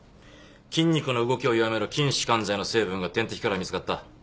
筋肉の動きを弱める筋弛緩剤の成分が点滴から見つかった。